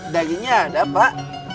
dagingnya ada pak